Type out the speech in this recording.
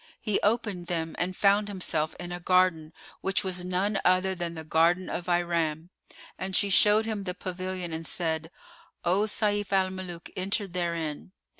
He opened them and found himself in a garden, which was none other than the garden of Iram; and she showed him the pavilion and said, "O Sayf al Muluk, enter therein!"